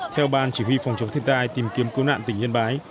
theo ban chỉ huy phòng chống thiệt tài tìm kiếm cứu nạn tỉnh yên bái